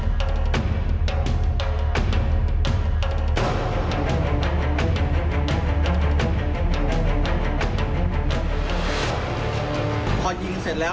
หมอบนี้อย่างออกก็คือเป็นภูมิที่เก่าไม่เคยยังคิดว่าจะผ่านถึงให้เครียมแม่ง